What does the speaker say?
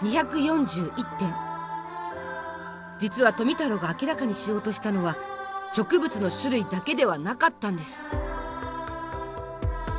実は富太郎が明らかにしようとしたのは植物の種類だけではなかったんです。